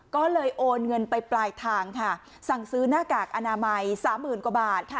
ก็เลยโอนเงินไปปลายทางค่ะสั่งซื้อหน้ากากอนามัยสามหมื่นกว่าบาท